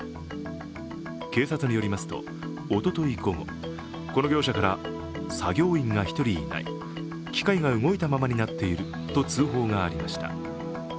警察によりますと、おととい午後、この業者から作業員が１人いない、機械が動いたままになっていると通報がありました。